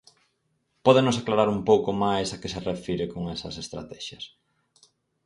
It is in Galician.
Pódenos aclarar un pouco máis a que se refire con esas estratexias?